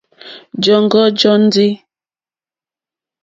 Jɔǃ́ɔ́ŋɡɔ́ jóndì.